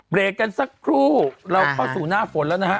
เบรกกันสักครู่เราเข้าสู่หน้าฝนแล้วนะฮะ